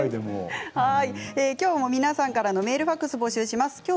きょうも皆さんからのメール、ファックスを募集します。